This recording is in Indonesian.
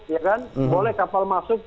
ya kan boleh kapal masuk